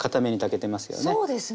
そうですね。